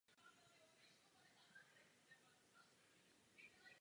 Milena svému muži ve výkonu jeho poslání účinně pomáhala.